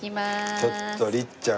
ちょっと律ちゃん